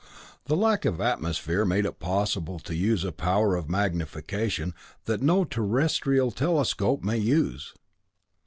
The lack of atmosphere made it possible to use a power of magnification that no terrestrial telescope may use.